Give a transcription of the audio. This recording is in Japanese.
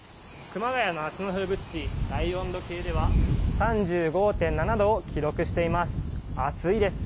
熊谷の夏の風物詩温度計では３５．７度を記録しています。